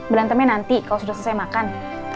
berantemnya nanti kalau sudah selesai makan